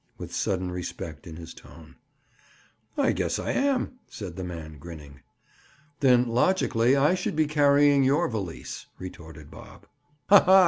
With sudden respect in his tone. "I guess I am," said the man, grinning. "Then, logically, I should be carrying your valise," retorted Bob. "Ha! ha!